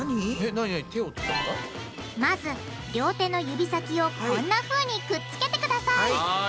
まず両手の指先をこんなふうにくっつけてください。